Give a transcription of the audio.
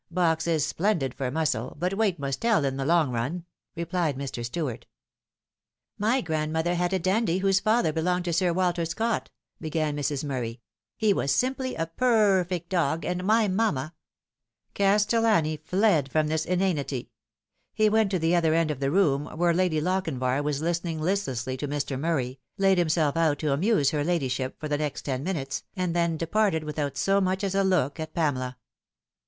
Box is splendid for muscle, but weight must tell in the long run," replied Mr. Stuart. " My grandmother had a Dandie whose father belonged to 294 The Fatal Three. Sir Walter Scott," began Mrs. Murray :" he was simply ft per r r 'Vr t dog, and my mamma " Castellani fled from this inanity. He went to the other end of the room, where Lady Lochinvar was listening listlessly to Mr. Murray, laid himself out to amuse her ladyship for the next ten minutes, and then departed without so much as a look at Pamela.